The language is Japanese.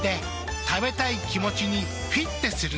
食べたい気持ちにフィッテする。